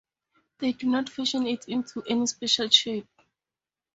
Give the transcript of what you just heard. They do not fashion it into any special shape.